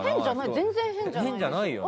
全然変じゃないですよ。